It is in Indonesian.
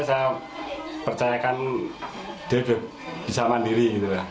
saya percayakan dia bisa mandiri